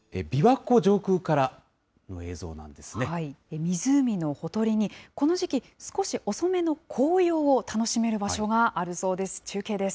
湖のほとりに、この時期、少し遅めの紅葉を楽しめる場所があるそうです。